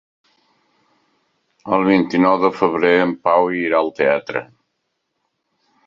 El vint-i-nou de febrer en Pau irà al teatre.